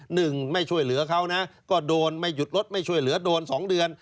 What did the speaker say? หนึ่งไม่ช่วยเหลือเขานะก็โดนไม่หยุดรถไม่ช่วยเหลือโดนสองเดือน